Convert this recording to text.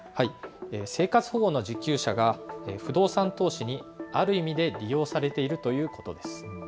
生活保護の受給者が不動産投資にある意味で利用されているということです。